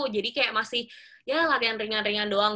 jadi kayak masih ya latihan ringan ringan doang